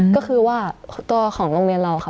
ก็คือว่าตัวของโรงเรียนเราค่ะ